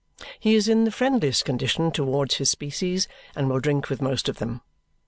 He is in the friendliest condition towards his species and will drink with most of them.